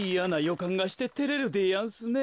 かんがしててれるでやんすねえ。